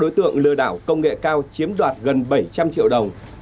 đối tượng lừa đảo công nghệ cao chiếm đoạt gần bảy trăm linh triệu đồng